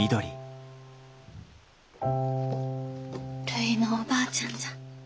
るいのおばあちゃんじゃ。